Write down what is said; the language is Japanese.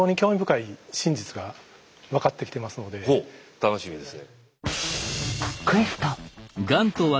楽しみですね。